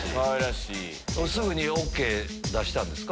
すぐにＯＫ出したんですか？